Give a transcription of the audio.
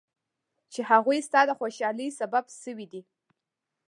چې هغوی ستا د خوشحالۍ سبب شوي دي.